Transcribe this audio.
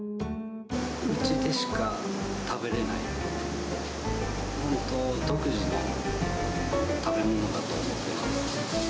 うちでしか食べれない、本当、独自の食べ物だと思ってます。